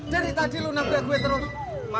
cari tadi lu nabla gue terlalu lama